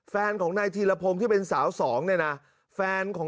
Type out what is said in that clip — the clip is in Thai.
แฟนของนายธีรพงษ์ที่เป็น